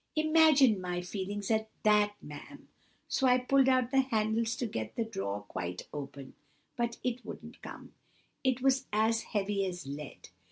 Imagine my feelings at that, ma'am! So I pulled at the handles to get the drawer quite open, but it wouldn't come, it was as heavy as lead.